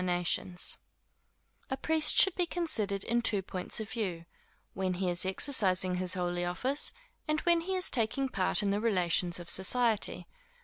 _ A priest should be considered in two points of view; when he is exercising his holy office, and when he is taking part in the relations of society.